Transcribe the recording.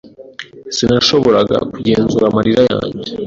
Sinashoboraga kugenzura amarira yanjye.